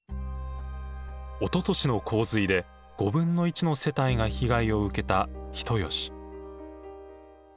おととしの洪水で５分の１の世帯が被害を受けた人吉。